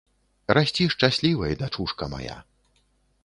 Расці шчаслівай, дачушка мая.